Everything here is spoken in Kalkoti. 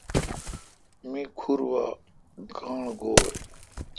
می کھور وا کاݨ گوی۔